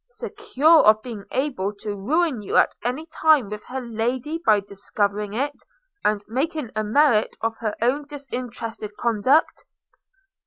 secure of being able to ruin you at any time with her Lady by discovering it, and making a merit of her own disinterested conduct.'